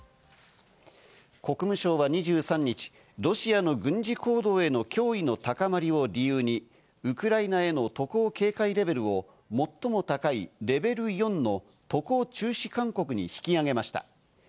国務省は２３日、ロシアの軍事行動への脅威の高まりを理由にウクライナへの渡航警戒レベルを最も高いレベル４の渡航中止勧告に引き上げました。